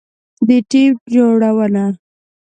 د ټیم جوړونه